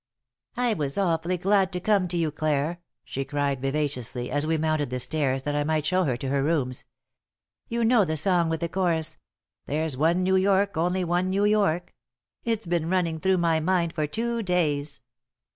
"I was awfully glad to come to you, Clare," she cried, vivaciously, as we mounted the stairs that I might show her to her rooms. "You know the song with the chorus, 'There's one New York, only one New York?' It's been running through my mind for two days."